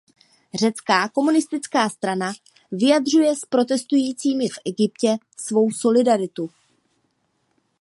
Řecká komunistická strana vyjadřuje s protestujícími v Egyptě svou solidaritu.